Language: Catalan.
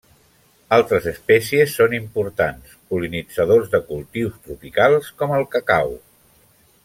Altres espècies són importants pol·linitzadors de cultius tropicals com el cacau.